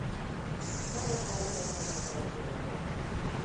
Gaur oso une ona izango da zure lanerako.